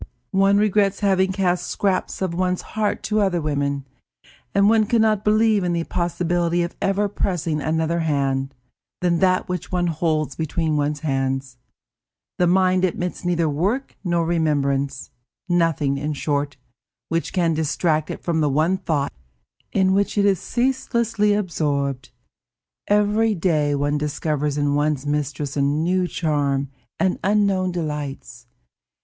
One regrets having cast scraps of one's heart to other women, and one can not believe in the possibility of ever pressing another hand than that which one holds between one's hands. The mind admits neither work nor remembrance; nothing, in short, which can distract it from the one thought in which it is ceaselessly absorbed. Every day one discovers in one's mistress a new charm and unknown delights.